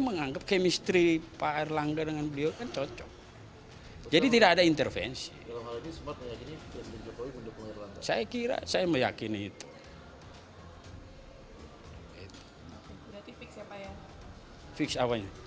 menurut bapak jokowi memang mendukung pak erlangga